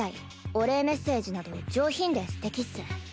お礼メッセージなど上品ですてきっス。